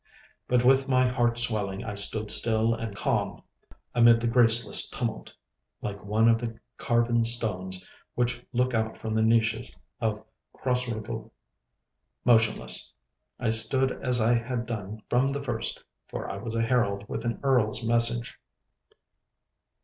But with my heart swelling I stood still and calm amid the graceless tumult, like one of the carven stones which look out from the niches of Crossraguel. Motionless I stood as I had done from the first, for I was a herald with an Earl's message.